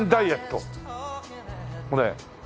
これ。